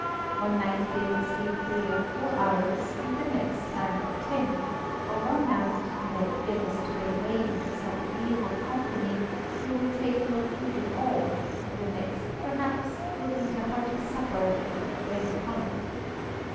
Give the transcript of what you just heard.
One night they will sleep three or four hours, and the next nine or ten; or one night, in their eagerness to get away into some agreeable company, they will take no food at all, and the next, perhaps, will eat a hearty supper, and go to bed upon it.